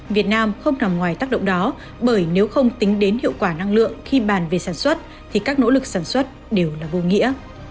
việt nam không nằm ngoài tác động đó bởi nếu không tính đến hiệu quả năng lượng khi bàn về sản xuất thì các nỗ lực sản xuất đều là vô nghĩa